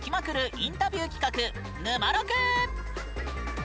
インタビュー企画「ぬまろく」！